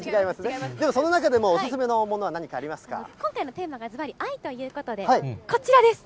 その中でも、お勧めのものは今回のテーマがずばり、愛ということで、こちらです。